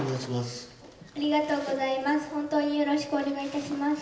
よろしくお願いします。